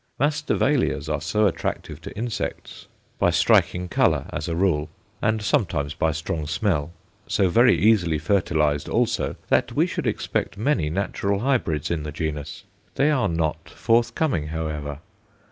Masdevallias are so attractive to insects, by striking colour, as a rule, and sometimes by strong smell so very easily fertilized also that we should expect many natural hybrids in the genus. They are not forthcoming, however.